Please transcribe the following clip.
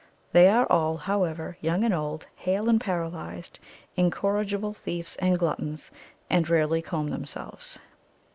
They are all, however, young and old, hale and paralysed, incorrigible thieves and gluttons, and rarely comb themselves.